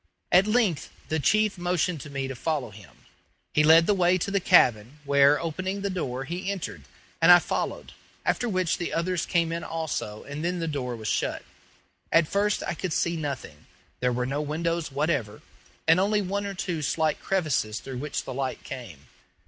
At length the chief motioned to me to follow him. He led the way to the cabin, where, opening the door, he entered, and I followed, after which the others came in also and then the door was shut. At first I could see nothing. There were no windows whatever, and only one or two slight crevices through which the light came.